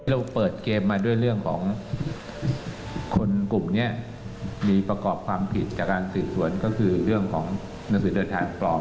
แล้วเรามาเจอศพ